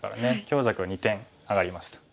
強弱２点上がりました。